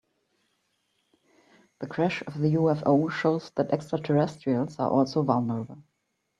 The crash of the UFO shows that extraterrestrials are also vulnerable.